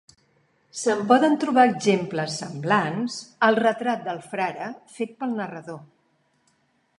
Se'n poden trobar exemples semblants al retrat del frare fet pel narrador.